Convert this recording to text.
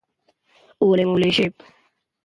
حکومت باید مالیه کمه کړي.